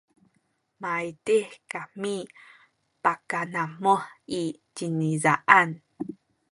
maydih kami pakanamuh i cinizaan